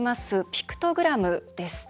ピクトグラムです。